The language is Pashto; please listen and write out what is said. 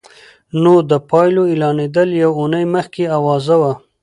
نو د پايلو اعلانېدل يوه اونۍ مخکې اوازه وه.